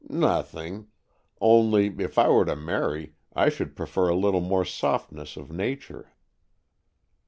"Nothing; only, if I were to marry, I should prefer a little more softness of nature."